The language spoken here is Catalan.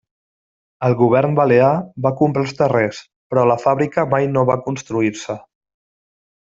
El Govern Balear va comprar els terrers però la fàbrica mai no va construir-se.